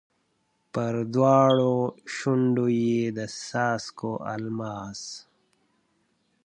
پر دواړو شونډو یې د څاڅکو الماس